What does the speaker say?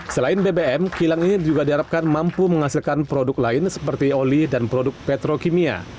selain bbm kilang ini juga diharapkan mampu menghasilkan produk lain seperti oli dan produk petrokimia